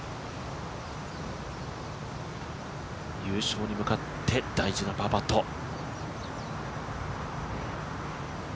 優勝に向かって、大事なパーパット。